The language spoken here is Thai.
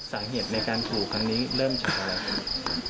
สาเหตุในการถูกครั้งนี้เริ่มจากอะไรครับ